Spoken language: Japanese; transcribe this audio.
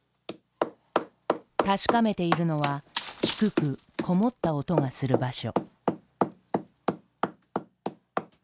確かめているのは低くこもった音がする場所。